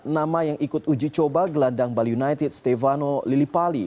nama yang ikut uji coba gelandang bali united stefano lilipali